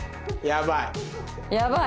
やばい。